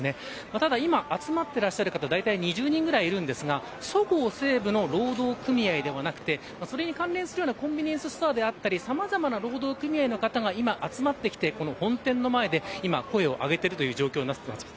ただ、今集まっている方だいたい２０人ぐらいいるんですがそごう・西武の労働組合ではなくてそれに関連するコンビニエンスストアであったりさまざまな労働組合の方が集まってきて本店の前で今、声を上げている状況です。